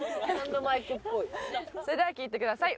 それでは聴いてください。